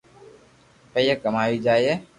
پييا ڪماوي جائي